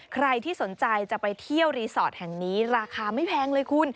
ใครที่สนใจจะไปเที่ยวรีสอร์ทแห่งนี้ราคาไม่แพงเลยคุณ